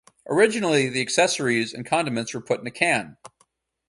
Originally, the accessories and condiments were put in a can.